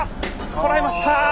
とらえました。